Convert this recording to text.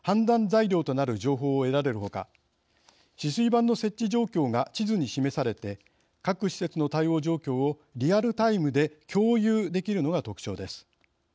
材料となる情報を得られる他止水板の設置状況が地図に示され各施設の対応状況をリアルタイムで共有できるのが特徴です。